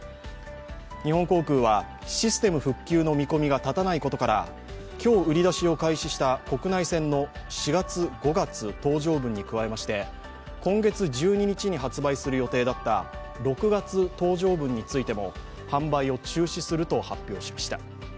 日本航空は、システム復旧の見込みが立たないことから今日、売り出しを開始した国内線の４月、５月搭乗分に加えまして、今月１２日に発売する予定だった６月搭乗分についても販売を中止すると発表しました。